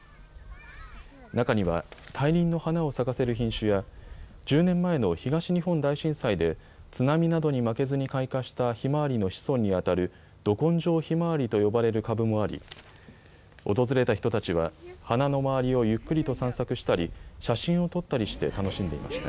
中には大輪の花を咲かせる品種や１０年前の東日本大震災で津波などに負けずに開花したひまわりの子孫にあたるど根性ひまわりと呼ばれる株もあり訪れた人たちは花の周りをゆっくりと散策したり写真を撮ったりして楽しんでいました。